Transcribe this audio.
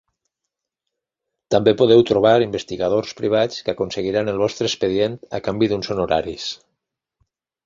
També podeu trobar investigadors privats que aconseguiran el vostre expedient a canvi d'uns honoraris.